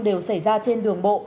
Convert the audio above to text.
đều xảy ra trên đường bộ